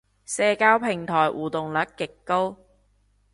社交平台互動率極高